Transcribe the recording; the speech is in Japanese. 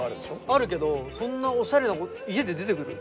あるけどそんなオシャレな家で出てくる？